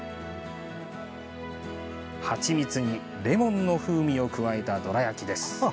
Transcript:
蜂蜜にレモンの風味を加えたどら焼きです。